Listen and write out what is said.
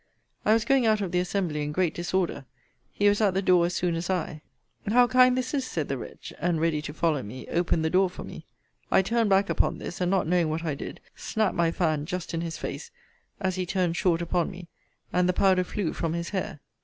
I was going out of the assembly in great disorder. He was at the door as soon as I. How kind this is, said the wretch; and, ready to follow me, opened the door for me. I turned back upon this: and, not knowing what I did, snapped my fan just in his face, as he turned short upon me; and the powder flew from his hair.